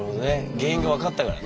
原因が分かったからね。